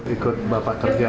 ikut bapak kerja